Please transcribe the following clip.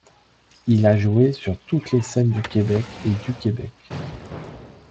Il a joué sur toutes les scènes de Québec et du Québec.